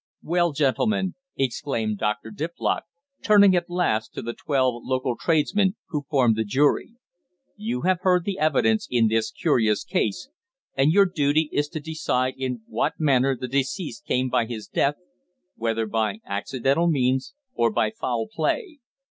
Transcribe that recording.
"Well, gentlemen," exclaimed Dr. Diplock, turning at last to the twelve local tradesmen who formed the jury, "you have heard the evidence in this curious case, and your duty is to decide in what manner the deceased came by his death, whether by accidental means, or by foul play.